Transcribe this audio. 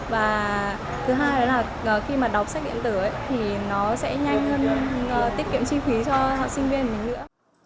và thứ hai là khi mà đọc sách điện tử thì nó sẽ nhanh hơn tích kiệm chi phí cho học sinh viên mình nữa